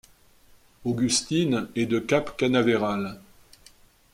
Augustine et de Cap Canaveral.